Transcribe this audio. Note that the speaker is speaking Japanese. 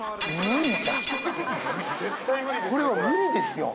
これは無理ですよ。